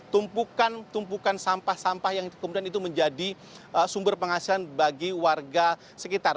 tumpukan tumpukan sampah sampah yang kemudian itu menjadi sumber penghasilan bagi warga sekitar